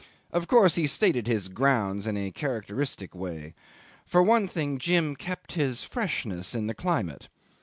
Of course he stated his grounds in a characteristic way. For one thing, Jim kept his freshness in the climate.